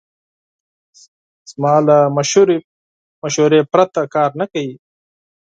زما له مشورې پرته کار نه کوي.